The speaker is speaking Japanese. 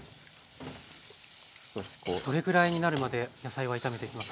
どれぐらいになるまで野菜は炒めていきますか？